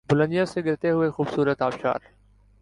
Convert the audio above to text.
بلندیوں سے گرتے ہوئے خوبصورت آبشار